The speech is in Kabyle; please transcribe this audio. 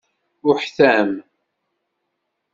Uḥtam.